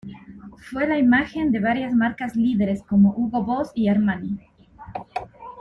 Fue la imagen de varias marcas líderes como Hugo Boss y Armani.